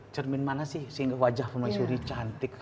cermin mana sih sehingga wajah permaisuri cantik